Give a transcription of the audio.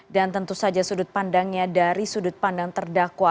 tentu saja sudut pandangnya dari sudut pandang terdakwa